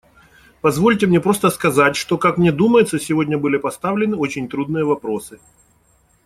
Позвольте мне просто сказать, что, как мне думается, сегодня были поставлены очень трудные вопросы.